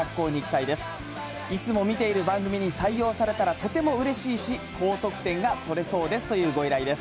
いつも見ている番組に採用されたらとてもうれしいし、高得点が取れそうですというご依頼です。